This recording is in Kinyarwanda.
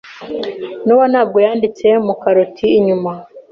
Nowa ntabwo yanditse Mukaroti inyuma.